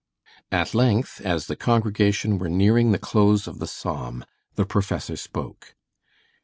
At length, as the congregation were nearing the close of the psalm, the professor spoke.